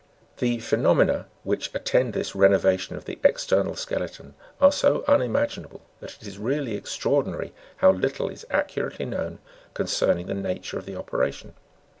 The phenomena which attend this renovation of the external skeleton are so unimaginable, that it is really extraordinary how little is accurately known concerning the nature of the operation.